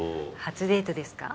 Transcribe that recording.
初デートですか？